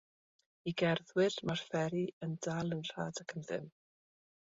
I gerddwyr, mae'r fferi yn dal yn rhad ac am ddim.